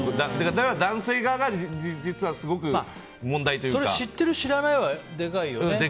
だから男性側が知ってる、知らないはでかいよね。